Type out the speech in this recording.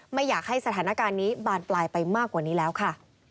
ไม่อยากให้สถานการณ์นี้บานปลายไปมากกว่านี้แล้วค่ะ